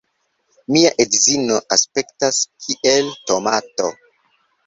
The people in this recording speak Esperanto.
Mia edzino aspektas kiel tomato